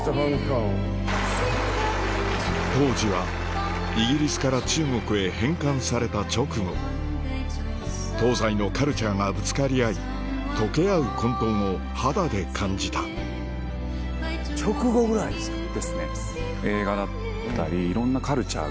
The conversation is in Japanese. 当時はイギリスから中国へ返還された直後東西のカルチャーがぶつかり合い溶け合う混沌を肌で感じた直後ぐらいですか？ですね。